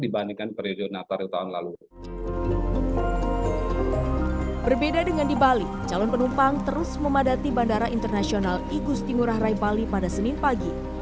berbeda dengan di bali calon penumpang terus memadati bandara internasional igusti ngurah rai bali pada senin pagi